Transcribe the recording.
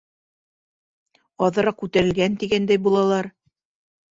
Аҙыраҡ күтәрелгән тигәндәй булалар?